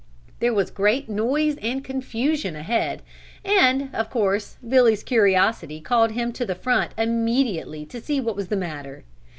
There was great noise and confusion ahead and, of course, Billy's curiosity called him to the front immediately to see what was the matter.